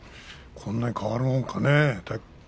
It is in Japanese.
こんなに変わるものかね。